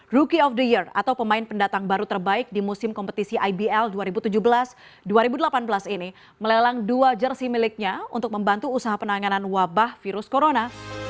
rookie of the year atau pemain pendatang baru terbaik di musim kompetisi ibl dua ribu tujuh belas dua ribu delapan belas ini melelang dua jersi miliknya untuk membantu usaha penanganan wabah virus corona